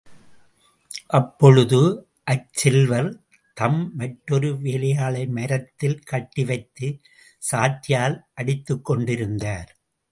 அப்பொழுது, அச்செல்வர் தம் மற்றொரு வேலையாளை மரத்தில் கட்டி வைத்து, சாட்டையால் அடித்துக் கொண்டிருந்தார்.